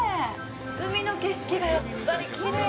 海の景色がやっぱりきれい。